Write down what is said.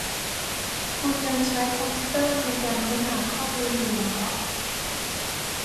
คุณยังใช้คอมพิวเตอร์ในการค้นหาข้อมูลอยู่หรอ